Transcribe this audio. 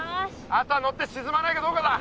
あとは乗ってしずまないかどうかだ。